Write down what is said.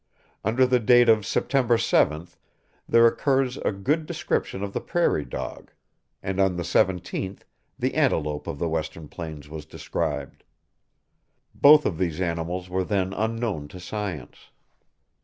Under the date of September 7th there occurs a good description of the prairie dog; and on the 17th the antelope of the Western plains was described. Both of these animals were then unknown to science.